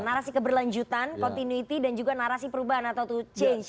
narasi keberlanjutan continuity dan juga narasi perubahan atau change yang di